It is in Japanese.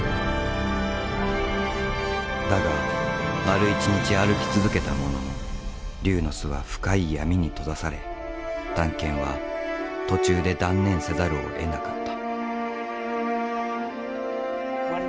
だが丸一日歩き続けたものの龍の巣は深い闇に閉ざされ探検は途中で断念せざるをえなかった。